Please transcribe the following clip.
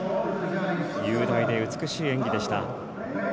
雄大で美しい演技でした。